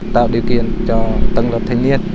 tạo điều kiện cho tân lập thanh niên